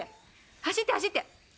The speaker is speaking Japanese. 走って走って。